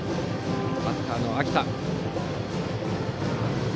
バッターの秋田。